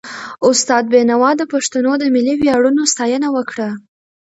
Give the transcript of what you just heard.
استاد بينوا د پښتنو د ملي ویاړونو ستاینه وکړه.